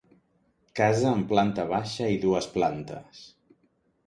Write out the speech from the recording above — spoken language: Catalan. Casa amb planta baixa i dues plantes.